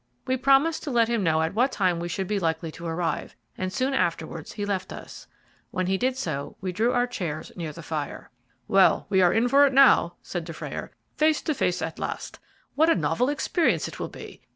We promised to let him know at what time we should be likely to arrive, and soon afterwards he left us. When he did so we drew our chairs near the fire. "Well, we are in for it now," said Dufrayer. "Face to face at last what a novel experience it will be!